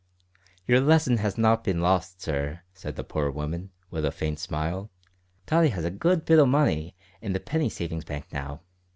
"Your lesson has not been lost, sir," said the poor woman, with a faint smile; "Tottie has a good bit o' money in the penny savings bank now.